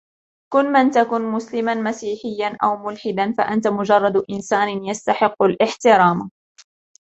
كن من تكن؛ مسلما، مسيحيا أو ملحدا؛ فأنت مجرد إنسان يستحق الاحترام.